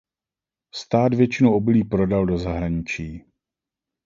Stát většinu obilí prodal do zahraničí.